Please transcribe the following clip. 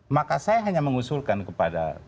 maka saya hanya mengusulkan kepada